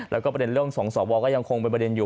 แล้วก็ประเด็นเรื่องของสวก็ยังคงเป็นประเด็นอยู่